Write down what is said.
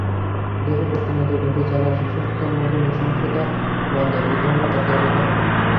দেশে প্রতিনিয়ত ঘটে চলা শিশুহত্যার মতো নৃশংসতা বন্ধে দুই ধরনের পথে এগোতে হবে।